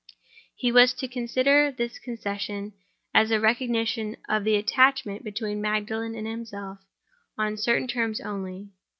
He was to consider this concession as a recognition of the attachment between Magdalen and himself, on certain terms only.